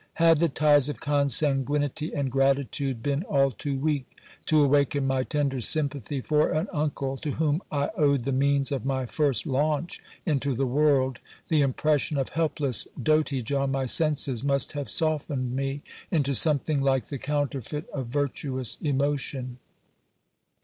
Had the ties of consanguinity and gratitude be m all too weak, to awaken my tender sympathy for an uncle, to whom I owed the means of my first launch into the world, the impression of helpless dotage on my senses must have softened me into something like the counterfeit of virtuous emotion.